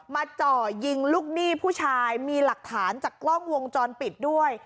เจาะยิงลูกหนี้ผู้ชายมีหลักฐานจากกล้องวงจรปิดด้วย